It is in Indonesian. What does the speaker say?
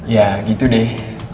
ya gitu deh